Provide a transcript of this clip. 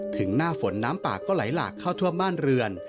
ถึงหน้าฝนน้ำป่าก็ไหลหลากเข้าท่วมบ้านเรือน